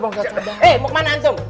eh bukman antum